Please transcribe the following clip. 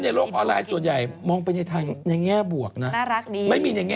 มีขายประเทศจีนเข้ามาแล้วยังรู้ที่สัมเทศนี้ยัง